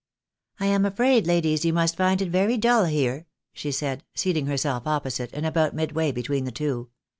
" I am afraid, ladies, you must find it very dull here," she said, seating herself opposite, and about midway between the two.